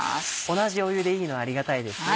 同じ湯でいいのありがたいですね。